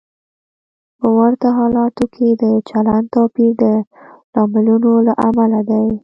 په ورته حالتونو کې د چلند توپیر د لاملونو له امله دی.